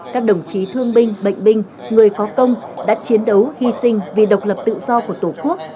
các đồng chí thương binh bệnh binh người có công đã chiến đấu hy sinh vì độc lập tự do của tổ quốc